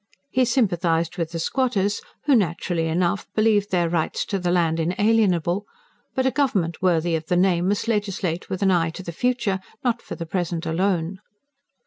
He sympathised with the squatters, who naturally enough believed their rights to the land inalienable; but a government worthy of the name must legislate with an eye to the future, not for the present alone.